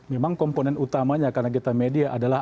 memang komponen utamanya karena kita media adalah